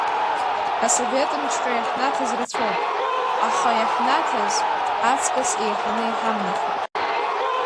Асовет мчра иаҳнаҭаз рацәоуп, аха иаҳнаҭаз аҵкыс еиҳаны иҳамнахит.